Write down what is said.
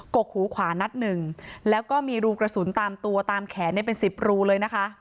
กกหูขวานัดหนึ่งแล้วก็มีรูกระสุนตามตัวตามแขนเป็นสิบรูเลยนะคะ